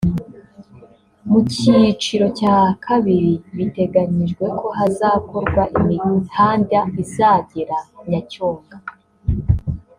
Mu cyiciro cya kabiri biteganyijwe ko hazakorwa imihanda izagera Nyacyonga